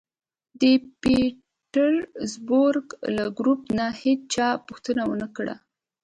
د پېټرزبورګ له ګروپ نه هېچا پوښتنه و نه کړه